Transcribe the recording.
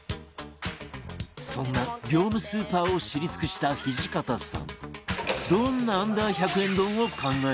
そんな業務スーパーを知り尽くした土方さん